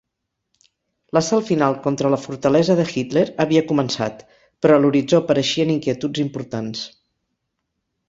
L'assalt final contra la fortalesa de Hitler havia començat, però a l'horitzó apareixien inquietuds importants.